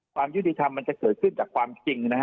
ความยุฒิธรรมเกิดขึ้นจากป้องกันจากความจริง